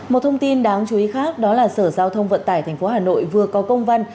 một thông tin đáng chú ý khác đó là sở giao thông vận tải tp hà nội vừa có công văn